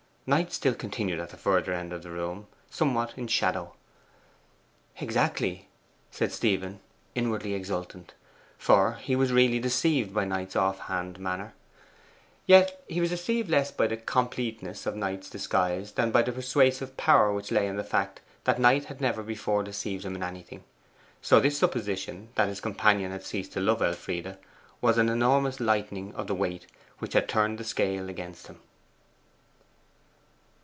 Knight still continued at the further end of the room, somewhat in shadow. 'Exactly,' said Stephen, inwardly exultant, for he was really deceived by Knight's off hand manner. Yet he was deceived less by the completeness of Knight's disguise than by the persuasive power which lay in the fact that Knight had never before deceived him in anything. So this supposition that his companion had ceased to love Elfride was an enormous lightening of the weight which had turned the scale against him.